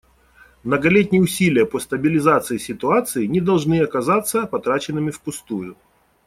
Многолетние усилия по стабилизации ситуации не должны оказаться потраченными впустую.